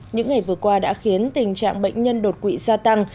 những ngày vừa qua đã khiến tình trạng bệnh nhân đột quỵ gia tăng